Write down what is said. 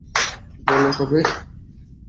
কী বলে তবে?